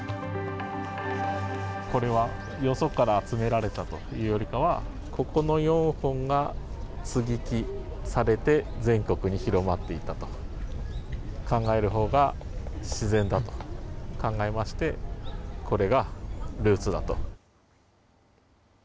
これはよそから集められたというよりかは、ここの４本が接ぎ木されて全国に広まっていったと考えるほうが、自然だと考えまして、これがルーツだと。